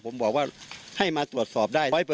ผมบอกว่าให้มาตรวจสอบได้๑๐๐